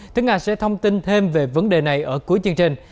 thứ nga sẽ thông tin thêm về vấn đề này ở cuối chương trình